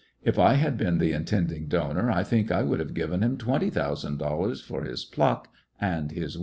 If I had been the intending donor I think I would have given him twenty thousand dollars for his pluck and his wit.